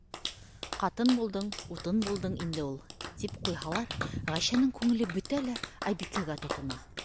Ҡатын булдың - утын булдың инде ул, - тип ҡуйһалар, Ғәйшәнең күңеле бөтә лә, Айбикәгә тотона.